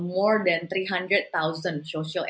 tiga ratus perusahaan sosial